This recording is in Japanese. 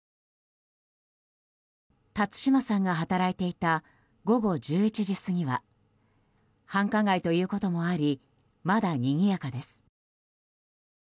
辰島さんが働いていた午後１１時過ぎは繁華街ということもありまだ、にぎやかです。